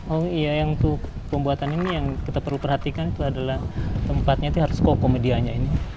oh iya yang untuk pembuatan ini yang kita perlu perhatikan itu adalah tempatnya itu harus kokomedianya ini